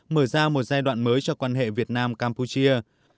mở ra một giai đoạn mới cho quan hệ việt nam campuchia